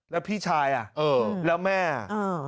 แล้วพี่ชายอ่ะเออแล้วแม่